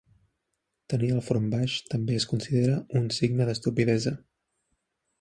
Tenir el front baix també es considera un signe d'estupidesa.